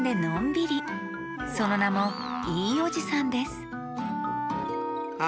そのなも「いいおじさん」ですあ